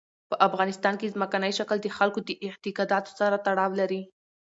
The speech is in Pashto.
په افغانستان کې ځمکنی شکل د خلکو د اعتقاداتو سره تړاو لري.